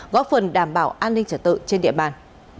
góp phần đảm bảo an ninh trật tự trên địa bàn